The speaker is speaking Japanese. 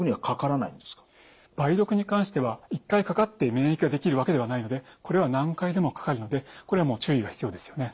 梅毒に関しては１回かかって免疫ができるわけではないのでこれは何回でもかかるのでこれは注意が必要ですよね。